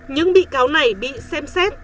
những bị cáo này bị xem xét